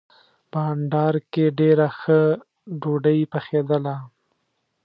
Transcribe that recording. بانډار کې ډېره ښه ډوډۍ پخېدله.